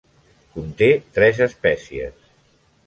Conté tres espècies.